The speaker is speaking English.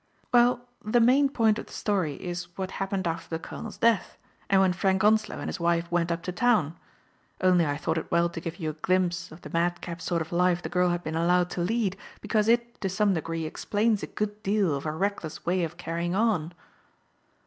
" Well, the main point of the story is what happened after the colonel's death, and when Frank Onslow and his wife went up to town. Only I thought it well to give you a glimpse of the Digitized by Google 34 THE FATE OF FENELLA, madcap sort of life the girl had been allowed to lead, because it, to some degree, explains a good deal of her reckless way of carrying on."